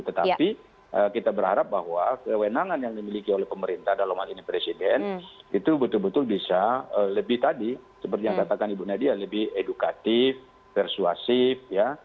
tetapi kita berharap bahwa kewenangan yang dimiliki oleh pemerintah dalam hal ini presiden itu betul betul bisa lebih tadi seperti yang katakan ibu nadia lebih edukatif persuasif ya